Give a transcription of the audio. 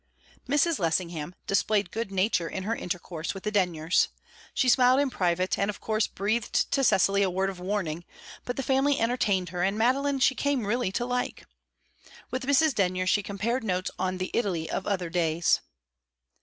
Mrs. Lessingham displayed good nature in her intercourse with the Denyers. She smiled in private, and of course breathed to Cecily a word of warning; but the family entertained her, and Madeline she came really to like. With Mrs. Denyer she compared notes on the Italy of other days.